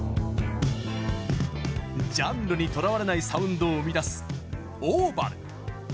ジャンルにとらわれないサウンドを生み出すＯｖａｌｌ。